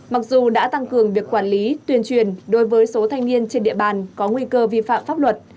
mặc dù đã tăng cường việc quản lý tuyên truyền đối với số thanh niên trên địa bàn có nguy cơ vi phạm pháp luật